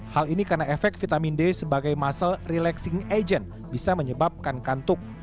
hal ini karena efek vitamin d sebagai muscle relaxing agent bisa menyebabkan kantuk